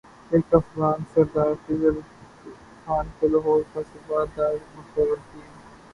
ایک افغان سردار خضر خان کو لاہور کا صوبہ دار مقرر کیا